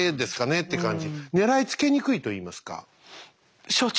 狙いつけにくいといいますか。所長！